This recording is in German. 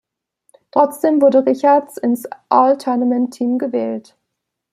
Trotzdem wurde Richards ins All-Tournament Team gewählt.